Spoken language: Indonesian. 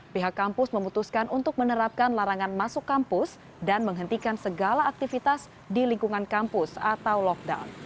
pihak kampus memutuskan untuk menerapkan larangan masuk kampus dan menghentikan segala aktivitas di lingkungan kampus atau lockdown